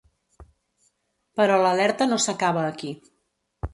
Però l’alerta no s’acaba aquí.